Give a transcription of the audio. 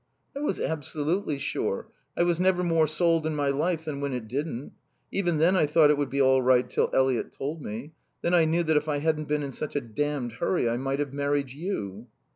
"I was absolutely sure. I was never more sold in my life than when it didn't. Even then I thought it would be all right till Eliot told me. Then I knew that if I hadn't been in such a damned hurry I might have married you."